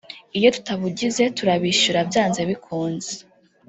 iyo tutabugize turabyishyura byanze bikunze